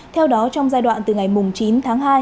theo đó trong giai đoạn từ ngày chín tháng hai